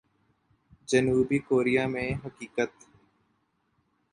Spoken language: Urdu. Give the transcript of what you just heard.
جنوبی کوریا میں حقیقت۔